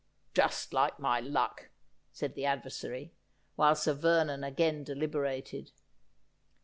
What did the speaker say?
' Just like my luck,' said the adversary, while Sir Vernon again deliberated.